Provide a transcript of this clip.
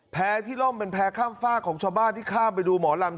ที่ล่มเป็นแพ้ข้ามฝากของชาวบ้านที่ข้ามไปดูหมอลำ